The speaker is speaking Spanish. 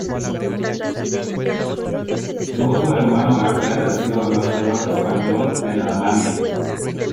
Su otro hermano Rafael ha sido embajador español en Alemania.